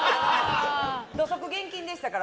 土足厳禁でしたから。